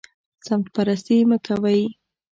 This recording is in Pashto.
سمت پرستي مه کوئ